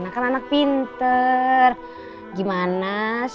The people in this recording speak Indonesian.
tangan g afterwards